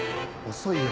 遅いよ。